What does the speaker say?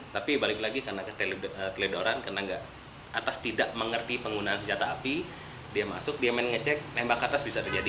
tapi balik lagi karena keteledoran karena atas tidak mengerti penggunaan senjata api dia masuk dia main ngecek nembak ke atas bisa terjadi